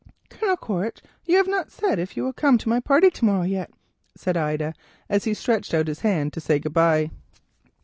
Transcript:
"Colonel Quaritch, you have not said if you will come to my party to morrow, yet," said Ida, as he stretched out his hand to say good bye.